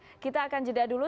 oke kita akan jeda dulu